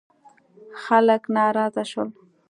خلک ناراضه شول.